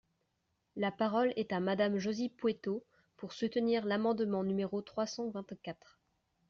La parole est à Madame Josy Poueyto, pour soutenir l’amendement numéro trois cent vingt-quatre.